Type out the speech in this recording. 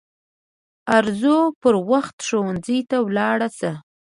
ارزو پر وخت ښوونځي ته ولاړه سه